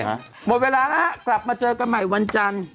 หมดเวลาแล้วฮะกลับมาเจอกันใหม่วันจันทร์